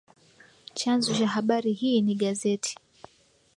Chanzo cha habari hii ni gazeti